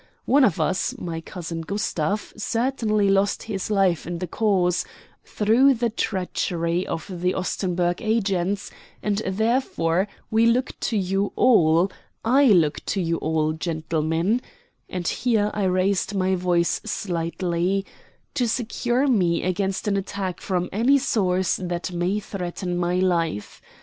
One of us, my cousin Gustav, certainly lost his life in this cause, through the treachery of the Ostenburg agents, and therefore we look to you all I look to you all, gentlemen" and here I raised my voice slightly "to secure me against an attack from any source that may threaten my life.